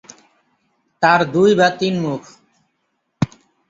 তার দুই বা তিন মুখ।